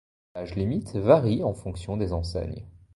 L'âge limite varie en fonction des enseignes.